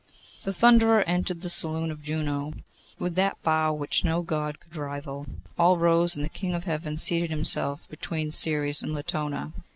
The Thunderer entered the saloon of Juno with that bow which no God could rival; all rose, and the King of Heaven seated himself between Ceres and Latona.